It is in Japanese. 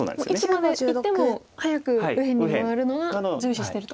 いつまでいっても早く右辺に回るのは重視してると。